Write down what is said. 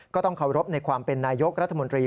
ก็ต้องเคารพในความเป็นนายกรัฐมนตรี